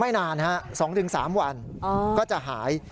ไม่นานสองถึงสามวันก็จะหาย